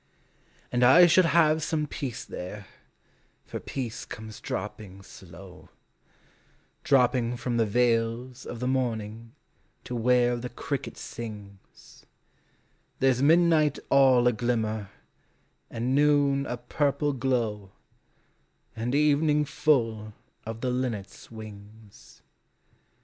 And I shall have some peace there, for peace comes dropping slow, Dropping from the veils of the morning to where the cricket sings; There 's midnight all a glimmer, and noon a purple glow, And evening full of the linnet's wings.